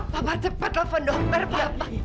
papa cepat telepon dokter papa